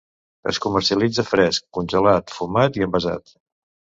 Es comercialitza fresc, congelat, fumat i envasat.